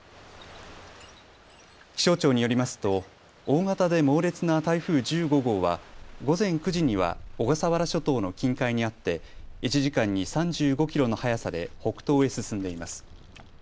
気象庁によりますと大型で猛烈な台風１５号は午前９時には小笠原諸島の近海にあって１時間に３５キロの速さで北東へ進んでいます。